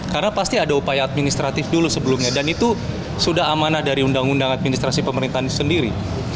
karena pasti ada upaya administratif dulu sebelumnya dan itu sudah amanah dari undang undang administrasi pemerintahan sendiri